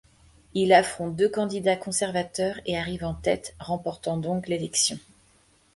Il affronte deux candidats conservateurs et arrive en tête, remportant donc l'élection.